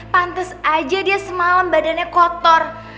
pantes aja dia semalam badannya kotor